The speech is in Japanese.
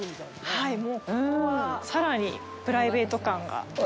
もうここはさらにプライベート感が。